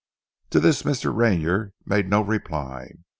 To this Mr. Rayner made no reply.